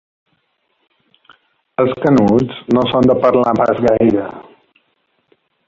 Els Canuts no són de parlar pas gaire.